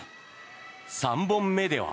３本目では。